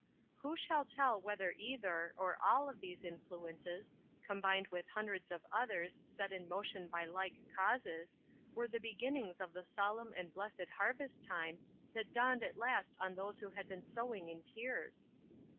Who shall tell whether either, or all of these influences, combined with hundreds of others, set in motion by like causes, were the beginnings of the solemn and blessed harvest time, that dawned at last on those who had been sowing in tears?